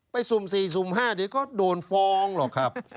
ไปยังไงไปซุ่ม๔ซุ่ม๕เดี๋ยวก็โดนฟองหรอกครับ